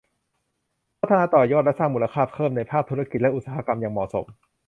พัฒนาต่อยอดและสร้างมูลค่าเพิ่มในภาคธุรกิจและอุตสาหกรรมอย่างเหมาะสม